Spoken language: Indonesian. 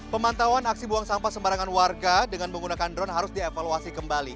pemantauan aksi buang sampah sembarangan warga dengan menggunakan drone harus dievaluasi kembali